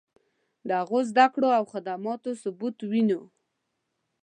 د هغوی د زدکړو او خدماتو ثبوت وینو.